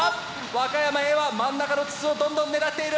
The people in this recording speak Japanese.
和歌山Ａは真ん中の筒をどんどん狙っている！